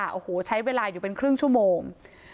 โอ้โหใช้เวลาอยู่เป็นครึ่งชั่วโมง